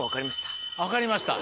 分かりました？